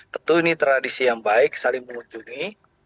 tentu ini tradisi yang baik saling mengunjungi